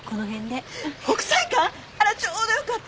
あらちょうどよかった。